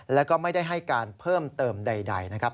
แล้วก็ไม่ได้ให้การเพิ่มเติมใดนะครับ